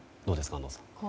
安藤さん。